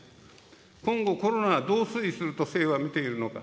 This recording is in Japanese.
今後、コロナはどう推移すると政府は見ているのか。